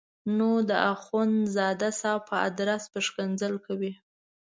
نو د اخندزاده صاحب په ادرس به ښکنځل کوي.